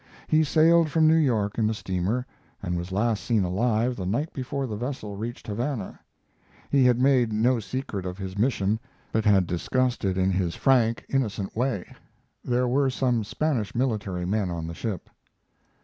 He sailed from New York in the steamer, and was last seen alive the night before the vessel reached Havana. He had made no secret of his mission, but had discussed it in his frank, innocent way. There were some Spanish military men on the ship.